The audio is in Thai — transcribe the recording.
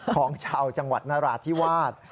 ของชาวจังหวัดนราธิวาส